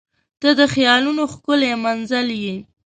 • ته د خیالونو ښکلی منزل یې.